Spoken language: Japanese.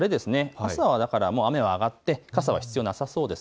あすは雨は上がって傘は必要なさそうです。